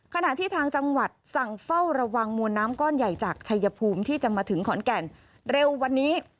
ขณะที่ทางจังหวัดสั่งเฝ้าระวังมวลน้ำก้อนใหญ่จากชายภูมิที่จะมาถึงขอนแก่นเร็ววันนี้